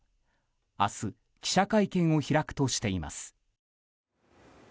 明日記者会見を開くとしています。